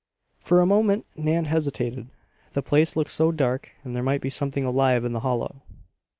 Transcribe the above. For a moment Nan hesitated. The place looked so dark and there might be something alive in the hollow.